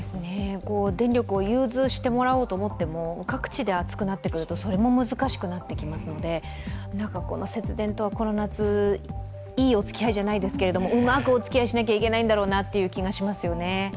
電力を融通してもらおうと思っても各地で暑くなってくると、それも難しくなってきますので、節電とは、この夏、いいおつきあいではないですけどうまーくおつきあいしなければならないんだなと思いますね。